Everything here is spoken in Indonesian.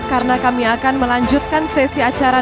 karena kami akan melanjutkan sesi acara